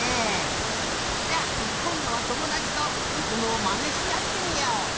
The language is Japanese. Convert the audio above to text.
じゃあこんどはともだちとりずむをまねしあってみよう。